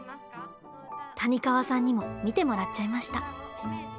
谷川さんにも見てもらっちゃいました。